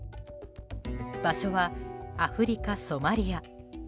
場所はアフリカ・ソマリア。